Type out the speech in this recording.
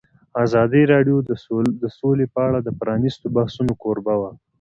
ازادي راډیو د سوله په اړه د پرانیستو بحثونو کوربه وه.